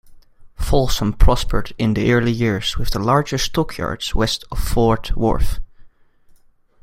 Folsom prospered in the early years with the largest stockyards west of Fort Worth.